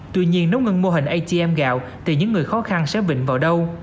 tuy nhiên nếu ngưng mô hình atm gạo thì những người khó khăn sẽ vịnh vào đâu